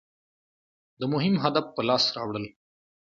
د مهم هدف په لاس راوړل.